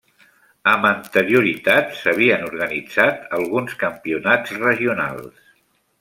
Amb anterioritat s'havien organitzat alguns campionats regionals.